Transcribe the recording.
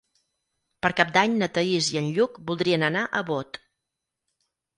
Per Cap d'Any na Thaís i en Lluc voldrien anar a Bot.